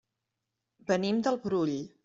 Venim del Brull.